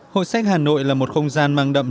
hội sách hà nội là một không gian mang đậm